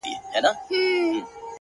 گرانه دا اوس ستا د ځوانۍ په خاطر’